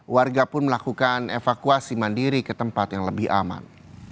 warga pun melakukan evakuasi mandiri ke tempat yang lebih aman